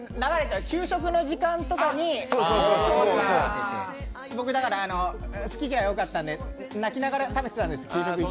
給食の時間とかに放送、僕、好き嫌い多かったんで泣きながら食べてたんです、給食。